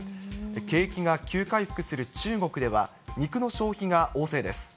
景気が急回復する中国では、肉の消費が旺盛です。